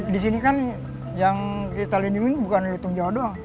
di sini kan yang kita lindungi bukan litung jawa doang